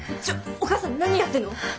ちょっお母さん何やってんの？